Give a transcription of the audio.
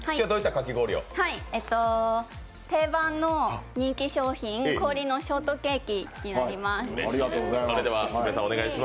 定番の人気商品こおりのショートケーキになります。